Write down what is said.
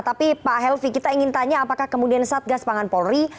tapi pak helvi kita ingin tanya apakah kemudian satgas pangan polri